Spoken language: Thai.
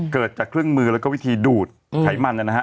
เกิดจากเครื่องมือแล้วก็วิธีดูดไขมันนะฮะ